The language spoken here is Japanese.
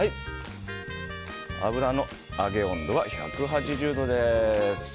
油の揚げ温度は１８０度です。